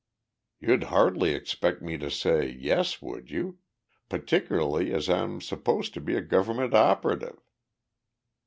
"You'd hardly expect me to say 'Yes,' would you? Particularly as I am supposed to be a government operative."